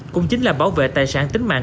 cũng chính là bảo vệ tài sản tính mạng